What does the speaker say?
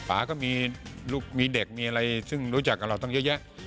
ป๋าก็มีเด็กมีอะไรซึ่งรู้จักกับเราต้องเยอะ